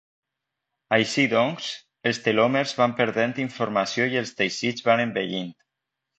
Així doncs, els telòmers van perdent informació i els teixits van envellint.